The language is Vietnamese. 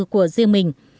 của riêng mình